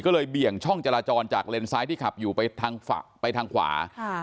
ก็เลยเบี่ยงช่องจราจรจากเลนซ้ายที่ขับอยู่ไปทางฝั่งไปทางขวา